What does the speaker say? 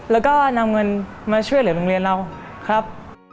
แล้วก็นำเงินมาช่วยเหลือโรงเรียนเราครับ